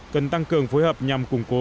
cần tăng cường phối hợp nhằm củng cố